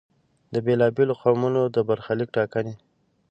د بېلا بېلو قومونو د برخلیک ټاکنې.